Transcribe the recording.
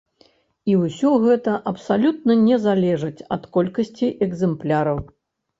І ўсё гэта абсалютна не залежыць ад колькасці экзэмпляраў.